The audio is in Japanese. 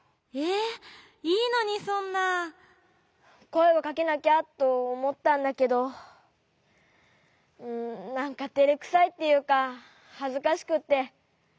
こえをかけなきゃとおもったんだけどなんかてれくさいっていうかはずかしくって。